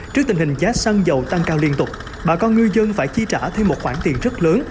trước tình hình giá xăng dầu tăng cao liên tục bà con ngư dân phải chi trả thêm một khoản tiền rất lớn